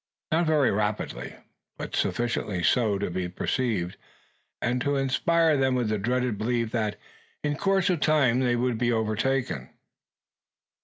Not very rapidly, but sufficiently so to be perceived, and to inspire them with the dread belief, that in course of time they would be overtaken.